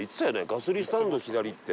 ガソリンスタンド左って。